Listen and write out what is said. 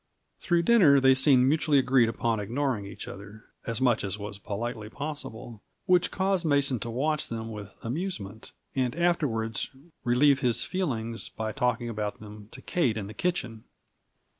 Through dinner they seemed mutually agreed upon ignoring each other as much as was politely possible, which caused Mason to watch them with amusement, and afterwards relieve his feelings by talking about them to Kate in the kitchen.